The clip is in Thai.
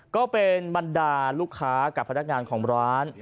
ก็เป็นบรรดาลูกค้ากับพนักงานของร้าน